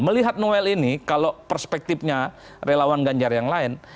melihat noel ini kalau perspektifnya relawan ganjar yang lain